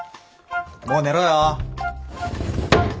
もう寝ろよ。